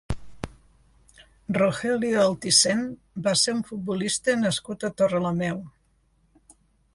Rogelio Altisent va ser un futbolista nascut a Torrelameu.